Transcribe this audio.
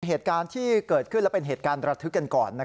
เหตุการณ์ที่เกิดขึ้นและเป็นเหตุการณ์ระทึกกันก่อน